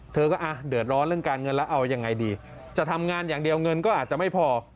เธอก็เดือดร้อนเรื่องการเงินแล้วเอายังไงดีจะทำงานอย่างเดียวเงินก็อาจจะไม่พอ